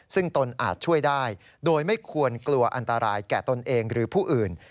ซึ่งตนอาจช่วยได้โดยไม่ควรกลัวอันตรายแก่ตนเองหรือผู้อื่น